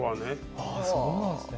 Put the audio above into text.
あそうなんですね。